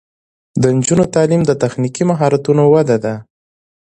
د نجونو تعلیم د تخنیکي مهارتونو وده ده.